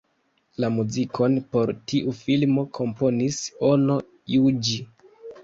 La muzikon por tiu filmo komponis Ono Juĝi.